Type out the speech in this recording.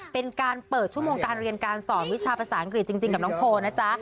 เป็นการเปิดชั่วโมงการเรียนการสอนวิชาภาษาอังกฤษจริงกับน้องโพลนะจ๊ะ